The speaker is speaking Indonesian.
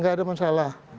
tidak ada masalah